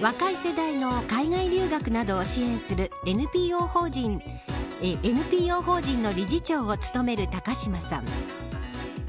若い世代の海外留学などを支援するＮＰＯ法人の理事長を務める高島さん。